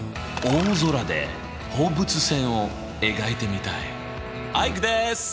大空で放物線を描いてみたいアイクです！